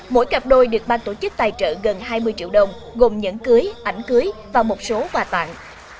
mỗi cặp đôi được ban tổ chức tài trợ gần hai mươi triệu đồng gồm nhẫn cưới ảnh cưới và một số quà tặng